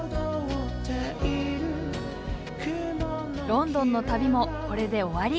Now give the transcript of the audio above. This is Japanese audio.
ロンドンの旅もこれで終わり。